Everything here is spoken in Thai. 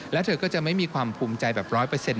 แล้วเธอก็จะไม่มีความภูมิใจแบบร้อยเปอร์เซ็น